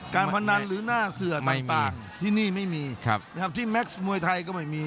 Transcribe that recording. การพนันหรือหน้าเสือต่างที่นี่ไม่มีนะครับที่แม็กซ์มวยไทยก็ไม่มี